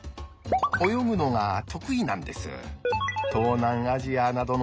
泳ぐのが得意なんです。